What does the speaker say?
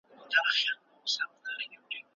خلک باید له مال سره تبادله نه سي.